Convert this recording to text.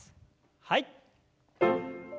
はい。